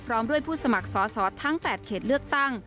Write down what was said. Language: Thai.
พร้อมด้วยผู้สมัครสอสอทั้ง๘เขตเลือกตั้ง